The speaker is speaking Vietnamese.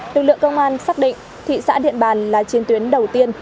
lực lượng công an xác định thị xã điện bàn là trên tuyến đầu tiên